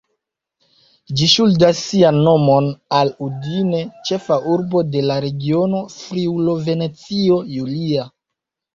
Ĝi ŝuldas sian nomon al Udine, ĉefa urbo de la regiono Friulo-Venecio Julia.